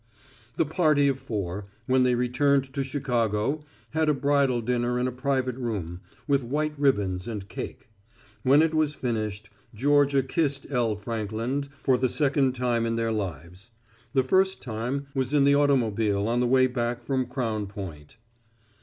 The party of four, when they returned to Chicago had a bridal dinner in a private room, with white ribbons and cake. When it was finished Georgia kissed L. Frankland for the second time in their lives. The first time was in the automobile on the way back from Crown Point.